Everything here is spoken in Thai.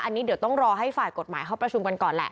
อันนี้เดี๋ยวต้องรอให้ฝ่ายกฎหมายเขาประชุมกันก่อนแหละ